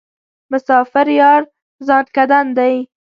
مسافر یار ځانکدن دی.